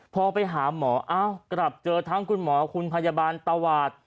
พอไปหาหมออ้าวกลับเจอทั้งคุณหมอคุณพยาบาลตวาด